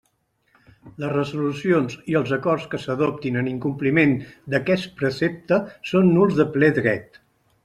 Les resolucions i els acords que s'adoptin en incompliment d'aquest precepte són nuls de ple dret.